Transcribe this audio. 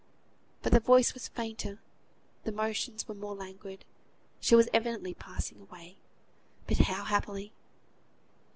But the voice was fainter, the motions were more languid; she was evidently passing away; but how happily!